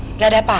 nggak ada apa apa